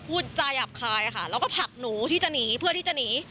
พูดจาหยาบคายค่ะแล้วก็ผลักหนูที่จะหนีเพื่อที่จะหนี